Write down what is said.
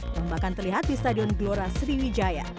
membakan terlihat di stadion glora sriwijaya